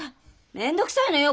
面倒くさいのよ